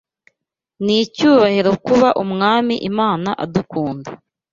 N’icyubahiro kuba umwmi Imana adukunda